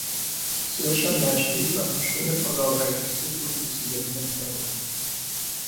Совершенно очевидно, что мир продолжает испытывать на себе гнев природы.